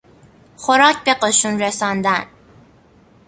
خوراک به قشون رساندن